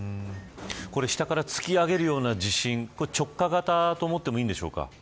下から突き上げるような地震直下型と思ってもいいんでしょうか。